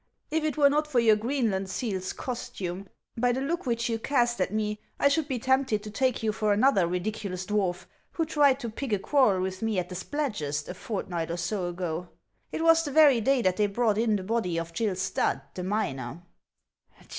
" If it were not for your Greenland seal's costume, 474 HANS OF ICELAND. by the look which you cast at me, T should be tempted to take you for another ridiculous dwarf, who tried to pick a quarrel with me at the Spladgest, a fortnight or so ago. It was the very day that they brought in the body of Gill Stadt, the miner."